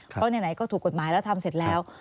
เพราะไหนก็ถูกกฎหมายแล้วทำเสร็จแล้ว